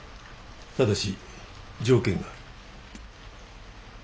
ただし条件がある。